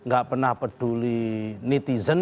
gak pernah peduli netizen